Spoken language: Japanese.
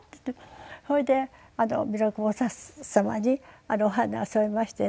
それで弥勒菩様にお花を添えましてね